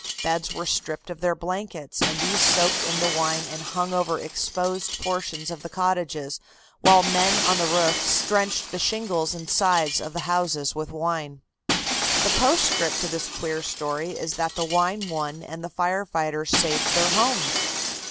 Beds were stripped of their blankets and these soaked in the wine and hung over exposed portions of the cottages, while men on the roofs drenched the shingles and sides of the houses with wine. The postscript to this queer story is that the wine won and the firefighters saved their homes.